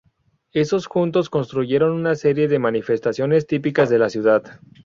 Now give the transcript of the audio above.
Esos juntos, construyeron una serie de manifestaciones típicas de la ciudad.